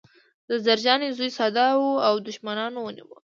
د زرجانې زوی ساده و او دښمنانو ونیوه